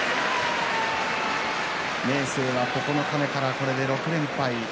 明生は九日目からこれで６連敗。